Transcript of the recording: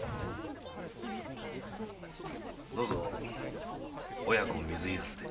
どうぞ親子水入らずで。